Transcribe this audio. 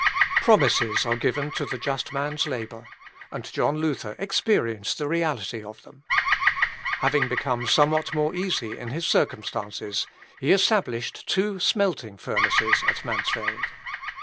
Promises are given to the just man's labour, and John Luther experienced the reality of them. Having become somewhat more easy in his circumstances, he established two smelting furnaces at Mansfeld.